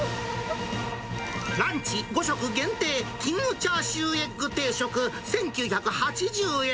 ランチ５食限定、キングチャーシューエッグ定食１９８０円。